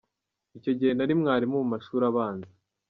Icyo gihe nari mwarimu mu mashuri abanza.